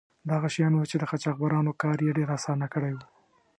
دا هغه شیان وو چې د قاچاقبرانو کار یې ډیر آسانه کړی و.